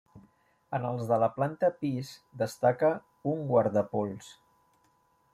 En els de la planta pis destaca un guardapols.